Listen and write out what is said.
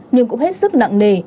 nhưng cũng hết sức nặng nề